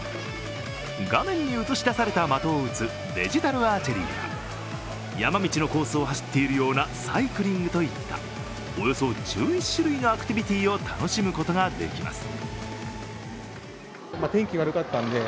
画面に映し出された的を撃つデジタルアーチェリーや山道のコースを走っているようなサイクリングといったおよそ１１種類のアクティビティーを楽しむことができます。